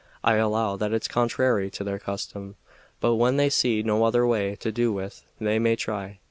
I allow that it's contrary to their custom, but when they see no other way to do with, they may try."